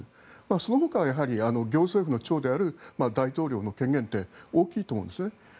そのほかはやはり行政府の長である大統領の権限って大きいと思うんですよね。